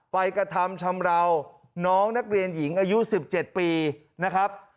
กระทำชำราวน้องนักเรียนหญิงอายุ๑๗ปีนะครับ